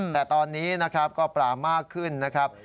แต่ตอนนี้นะครับก็ปลามากขึ้นนะครับ